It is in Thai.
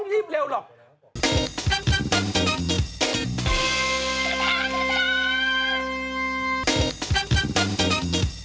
เดี๋ยวดู